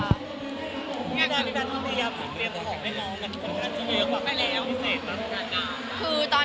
มีใครปิดปาก